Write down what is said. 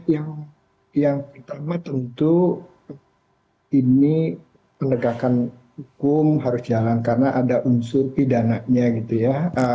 ya yang pertama tentu ini penegakan hukum harus jalan karena ada unsur pidananya gitu ya